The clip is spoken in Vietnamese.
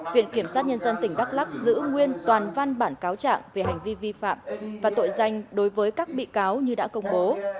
viện kiểm sát nhân dân tỉnh đắk lắc giữ nguyên toàn văn bản cáo trạng về hành vi vi phạm và tội danh đối với các bị cáo như đã công bố